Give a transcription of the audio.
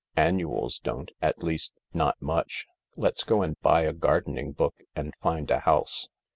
"Annuals don't *t least, not much. Let's go and buy a gardening book and find a house."